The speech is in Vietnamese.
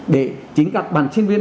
để chính các bàn sinh viên